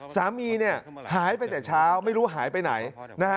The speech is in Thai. สามีหายไปแต่เช้าไม่รู้หายไปไหน